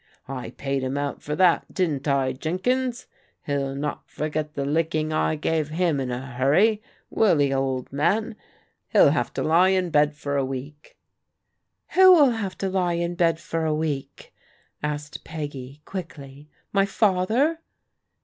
I paid him out for that, didn't I, Jenkins? He'll not forget the licking I gave him in a hurry, will he, old man? He'll have to lie in bed for a week.'* " Who'll have to lie in bed for a week?" asked Peggy quickly. "My father?"